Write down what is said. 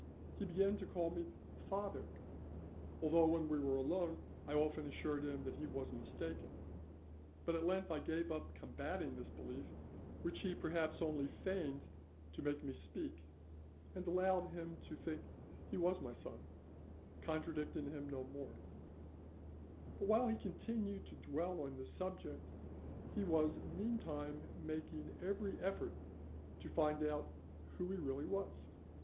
He began to call me 'father,' although when we were alone I often assured him that he was mistaken; but at length I gave up combating this belief, which he perhaps only feigned to make me speak, and allowed him to think he was my son, contradicting him no more; but while he continued to dwell on this subject he was meantime making every effort to find out who he really was.